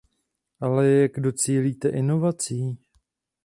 Ale jak docílíte inovací?